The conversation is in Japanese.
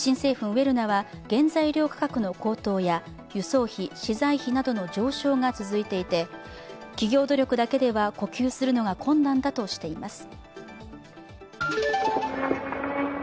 ウェルナは、原材料価格の高騰や、輸送費、資材費などの上昇が続いていて企業努力だけでは呼吸するのが困難だとしています。